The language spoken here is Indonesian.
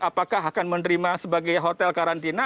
apakah akan menerima sebagai hotel karantina